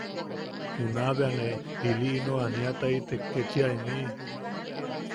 Junae be ne ili ino aniataitek kechia imiʼi.